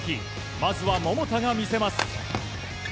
まずは桃田が見せます。